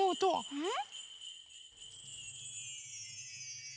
うん？